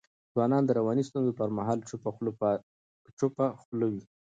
ځوانان د رواني ستونزو پر مهال چوپه خوله وي.